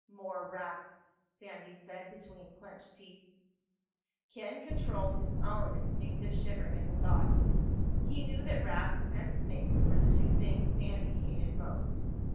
"More rats," Sandy said between clenched teeth. Ken controlled his own instinctive shivering at the thought. He knew that rats and snakes were the two things Sandy hated most.